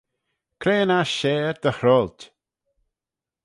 Cre yn aght share dy hroailt?